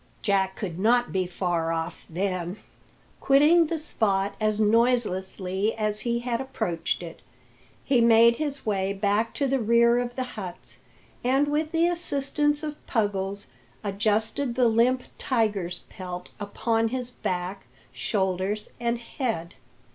Jack could not be far off, then! Quitting the spot as noiselessly as he had approached it, he made his way back to the rear of the huts, and with the assistance of Puggles, adjusted the limp tigers pelt upon his back, shoulders, and head.